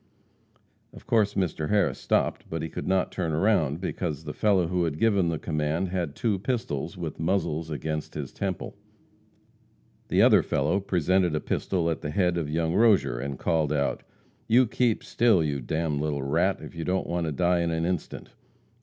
Of course Mr. Harris stopped, but could not turn round, because the fellow who had given the command had two pistols, with muzzles against his temple. The other fellow presented a pistol at the head of young Rozier, and called out: "You keep still, you d d little rat, if you don't want to die in an instant."